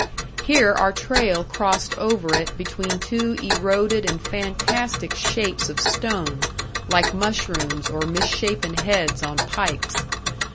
Here our trail crossed over it between two eroded and fantastic shapes of stone, like mushrooms, or misshapen heads on pikes.